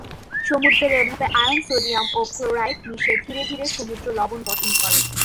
সমুদ্রের এভাবে ion sodium ও ক্লোরাইড মিশে ধীরে ধীরে সমুদ্র লবণ গঠন করে।